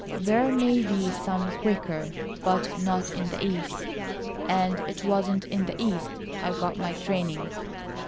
There may be some quicker, but not in the East, and it wasn't in the East I got my training.